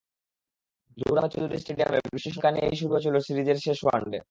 জহুর আহমেদ চৌধুরী স্টেডিয়ামে বৃষ্টির শঙ্কা নিয়েই শুরু হয়েছিল সিরিজের শেষ ওয়ানডে।